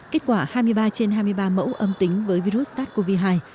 kết quả hai mươi ba trên hai mươi ba mẫu âm tính với virus sars cov hai